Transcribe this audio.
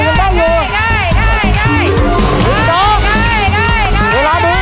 เวลาดูใจเย็นครู